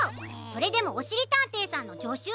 それでもおしりたんていさんのじょしゅ？